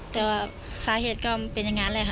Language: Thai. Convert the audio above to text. แต่ว่าสาเหตุก็เป็นอย่างนั้นแหละค่ะ